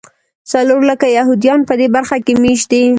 څلور لکه یهودیان په دې برخه کې مېشت دي.